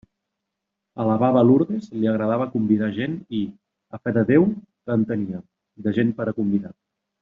A la baba Lourdes li agradava convidar gent i, a fe de Déu que en tenia, de gent per a convidar.